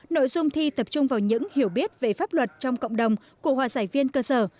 nội dung thi tập trung vào những hiểu biết về pháp luật trong cộng đồng của hòa giải viên cơ sở